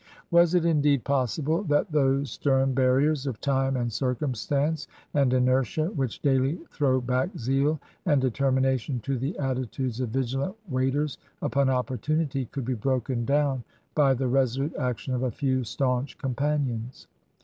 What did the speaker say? Was it indeed possible that those stern barriers of time and circumstance and inertia, which daily throw back zeal and determination to the attitudes of vigilant waiters upon opportunity, could be broken down by the resolute action of a few staunch companions